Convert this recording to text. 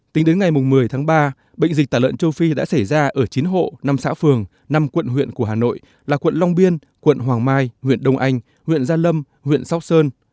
tính đến ngày một mươi tháng ba bệnh dịch tả lợn châu phi đã xảy ra ở chín hộ năm xã phường năm quận huyện của hà nội là quận long biên quận hoàng mai huyện đông anh huyện gia lâm huyện sóc sơn